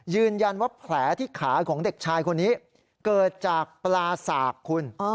แผลที่ขาของเด็กชายคนนี้เกิดจากปลาสากคุณ